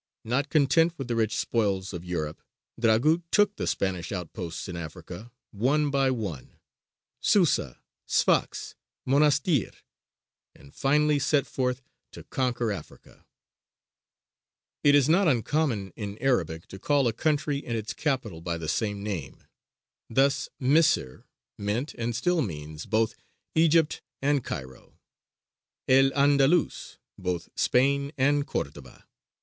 Not content with the rich spoils of Europe, Dragut took the Spanish outposts in Africa, one by one Susa, Sfax, Monastir; and finally set forth to conquer "Africa." [Illustration: SIEGE OF "AFRICA," 1390. (From a MS.)] It is not uncommon in Arabic to call a country and its capital by the same name. Thus Misr meant and still means both Egypt and Cairo; El Andalus, both Spain and Cordova.